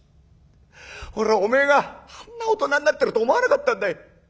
俺はお前があんな大人になってると思わなかったんだい。